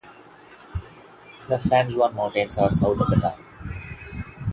The San Juan mountains are south of the town.